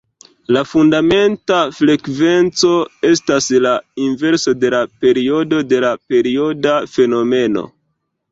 La fundamenta frekvenco estas la inverso de la periodo de la perioda fenomeno.